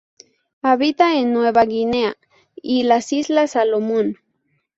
Habita en Nueva Guinea y las islas Salomón.